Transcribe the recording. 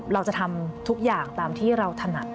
เราจะทำทุกอย่างตามที่เราถนัด